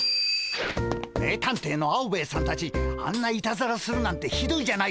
名探偵のアオベエさんたちあんないたずらするなんてひどいじゃないですか。